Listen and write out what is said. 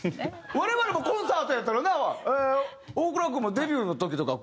我々もコンサートやったらな大倉君もデビューの時とか我々。